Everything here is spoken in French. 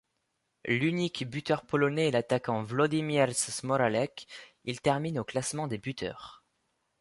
L'unique buteur polonais est l’attaquant Włodzimierz Smolarek, il termine au classement des buteurs.